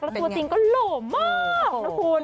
แล้วตัวจริงก็หล่อมากนะคุณ